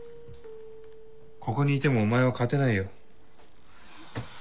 ここにいてもお前は勝てないよ。